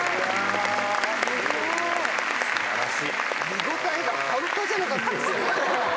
見応えが半端じゃなかったです。